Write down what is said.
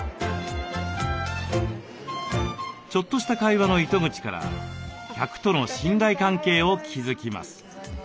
ちょっとした会話の糸口から客との信頼関係を築きます。